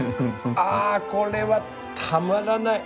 あこれはたまらない！